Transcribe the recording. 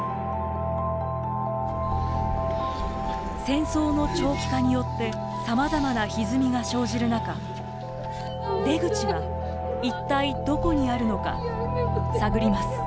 戦争の長期化によってさまざまなひずみが生じる中出口は一体どこにあるのか探ります。